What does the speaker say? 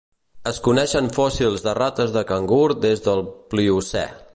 Es coneixen fòssils de rates de cangur des del Pliocè.